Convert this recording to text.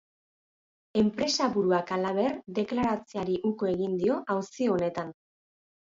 Enpresaburuak, halaber, deklaratzeari uko egin dio auzi honetan.